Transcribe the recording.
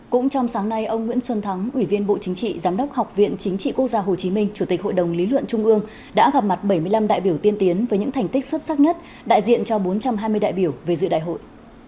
cũng trong sáng nay ông nguyễn xuân thắng ủy viên bộ chính trị giám đốc học viện chính trị quốc gia hồ chí minh chủ tịch hội đồng lý luận trung ương đã gặp mặt bảy mươi năm đại biểu tiên tiến với những thành tích xuất sắc nhất đại diện cho bốn trăm hai mươi đại biểu về dự đại hội